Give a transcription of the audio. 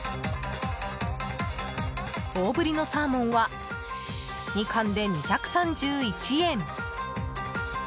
大ぶりのサーモンは２貫で２３１円。